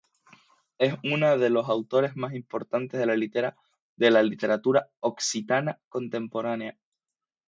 Es una de los autores más importantes de la literatura occitana contemporánea.